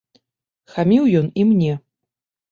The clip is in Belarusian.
Хаміў ён і мне.